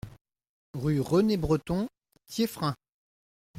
Rue René Breton, Thieffrain